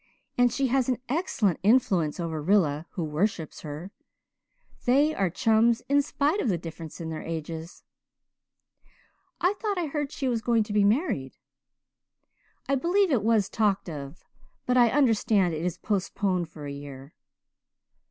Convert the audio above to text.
And she has an excellent influence over Rilla who worships her. They are chums, in spite of the difference in their ages." "I thought I heard she was going to be married?" "I believe it was talked of but I understand it is postponed for a year."